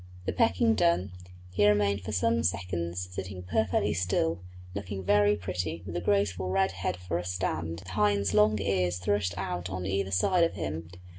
The pecking done, he remained for some seconds sitting perfectly still, looking very pretty with the graceful red head for a stand, the hind's long ears thrust out on either side of him.